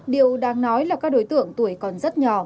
điều đang nói là các đối tượng tuổi còn rất nhỏ